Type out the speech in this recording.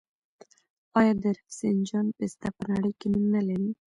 آیا د رفسنجان پسته په نړۍ کې نوم نلري؟